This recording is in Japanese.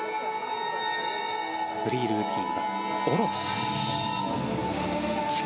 フリールーティン「大蛇オロチ」。